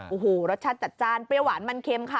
โอ้โหรสชาติจัดจ้านเปรี้ยวหวานมันเค็มค่ะ